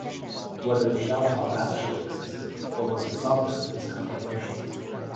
Whether Shaohao actually existed, or was a sovereign, is controversial.